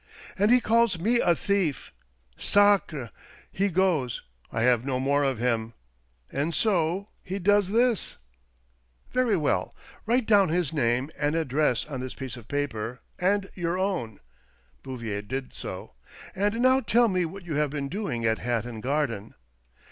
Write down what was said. And he calls me a thief ! Sacre ! He goes — I have no more of him ; and so •— he does this !" "Very well. Write down his name and address on this piece of paper, and your own." Bouvier did so. "And now tell me what you have been doing at Hatton Garden."